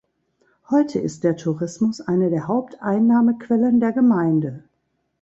Heute ist der Tourismus eine der Haupteinnahmequellen der Gemeinde.